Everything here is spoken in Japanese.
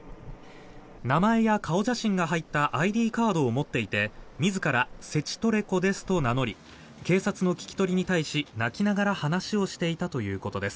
名前や顔写真が入ったＩＤカードを持っていて自ら、セチトレコですと名乗り警察の聞き取りに対し泣きながら話をしていたということです。